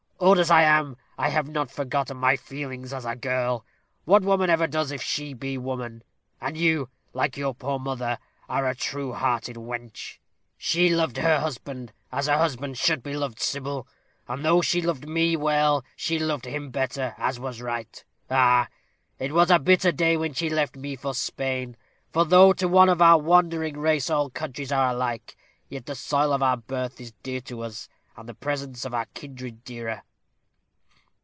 Old as I am, I have not forgotten my feelings as a girl. What woman ever does, if she be woman? and you, like your poor mother, are a true hearted wench. She loved her husband, as a husband should be loved, Sybil; and though she loved me well, she loved him better, as was right. Ah! it was a bitter day when she left me for Spain; for though, to one of our wandering race, all countries are alike, yet the soil of our birth is dear to us, and the presence of our kindred dearer.